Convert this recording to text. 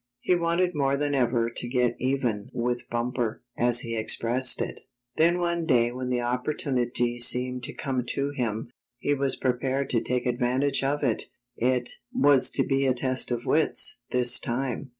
He wanted more than ever to "get even" with Bumper, as he expressed it. 51 52 The Test of Wits Then one day when the opportunity seemed to come to him, he was prepared to take advan tage of it. It was to be a test of wits, this time.